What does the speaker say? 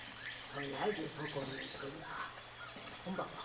とりあえずそこに行くが今晩は